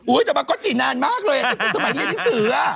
อุ๊ยธรรมก็อตจินานมากเลยตั้งแต่สมัยเรียนหนิสื่อ